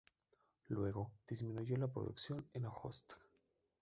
Luego disminuyó la producción en Ojotsk.